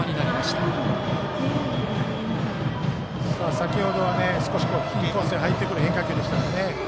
先ほどは少しインコースに入ってくる変化球でしたのでね。